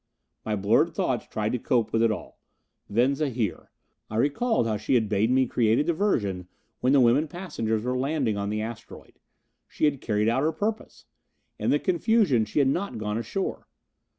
My blurred thoughts tried to cope with it all. Venza here. I recalled how she had bade me create a diversion when the women passengers were landing on the asteroid. She had carried out her purpose! In the confusion she had not gone ashore.